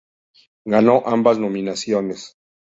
Ganó ambas nominaciones.